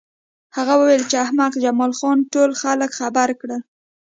هغه وویل چې احمق جمال خان ټول خلک خبر کړل